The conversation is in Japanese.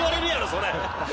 それ。